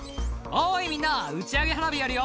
「おいみんな打ち上げ花火やるよ」